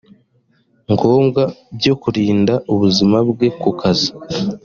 ngombwa byo kurinda ubuzima bwe ku kazi